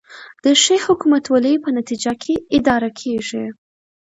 د ښې حکومتولې په نتیجه کې اداره کیږي